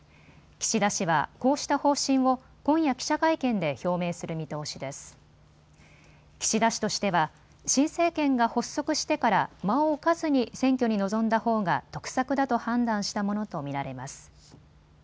岸田氏としては新政権が発足してから間を置かずに選挙に臨んだほうが得策だと判断したものと見られます。